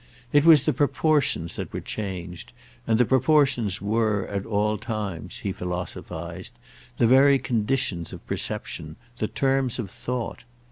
It was the proportions that were changed, and the proportions were at all times, he philosophised, the very conditions of perception, the terms of thought.